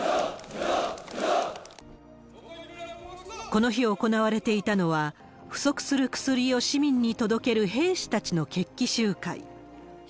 この日、行われていたのは、不足する薬を市民に届ける兵士たちの決起集会。